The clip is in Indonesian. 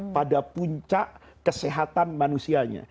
pada puncak kesehatan manusianya